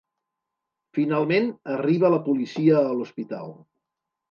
Finalment, arriba la policia a l'hospital.